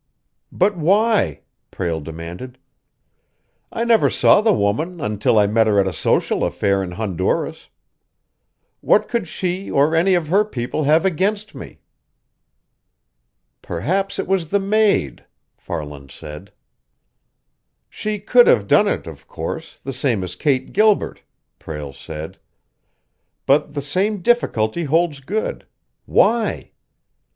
"But, why?" Prale demanded. "I never saw the woman until I met her at a social affair in Honduras. What could she or any of her people have against me?" "Perhaps it was the maid," Farland said. "She could have done it, of course, the same as Kate Gilbert," Prale said. "But the same difficulty holds good why?